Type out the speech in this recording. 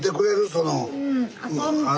その。